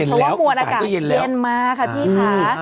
เพราะว่ามวลอากาศเย็นมาค่ะพี่ค่ะ